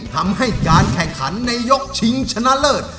ทำให้การแข่งขันในยกชิงชนะเลิศ